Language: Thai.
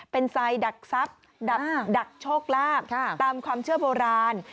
เป็นไซด์ดักซับดักโชคลาบตามความเชื่อโบราณ